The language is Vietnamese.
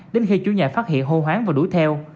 đến khi chủ nhà phát hiện hô hoáng và đuổi theo